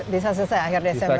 bisa selesai akhir desember